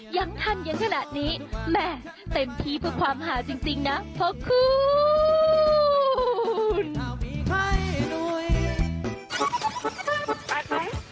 ยังทันยังขนาดนี้แหม่เต็มที่เพื่อความหาจริงนะพ่อคุณ